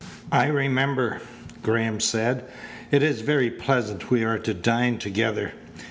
"I remember," Graham said. "It is very pleasant we are to dine together."